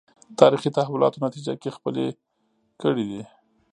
تاریخي تحولاتو نتیجه کې خپلې کړې دي